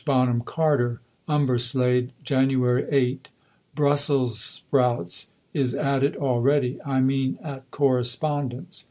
Bonham Carter._) UMBERSLADE, Jan. 8. Brussels Sprouts is at it already, I mean at correspondence.